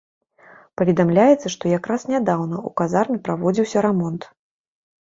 Паведамляецца, што якраз нядаўна ў казарме праводзіўся рамонт.